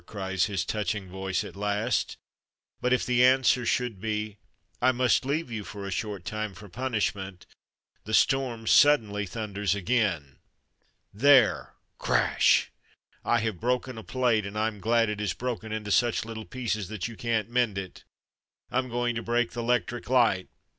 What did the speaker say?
cries his touching voice at last; but if the answer should be "I must leave you for a short time, for punishment," the storm suddenly thunders again. "There (crash!) I have broken a plate, and I'm glad it is broken into such little pieces that you can't mend it. I'm going to break the 'lectric light."